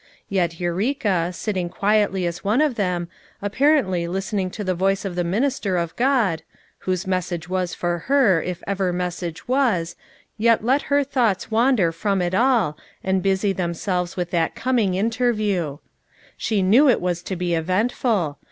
Yet Eureka, sitting quietly as one of them, apparently listening to the voice of the minister of God — whose message was for her, if ever message was, yet let her thoughts wander from it all, and busy themselves with that coming in terview. She knew T it was to be eventful.